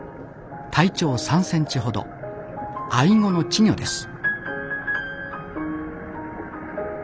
体長３センチほどアイゴの稚魚です